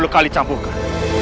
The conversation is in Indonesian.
lima puluh kali campurkan